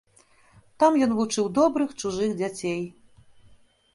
Там ён вучыў добрых чужых дзяцей.